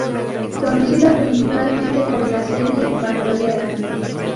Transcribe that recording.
Conocida principalmente por la serie "Bandolera".